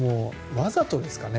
わざとですかね？